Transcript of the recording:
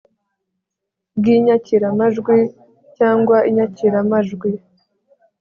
bw inyakiramajwi cyangwa inyakiramajwi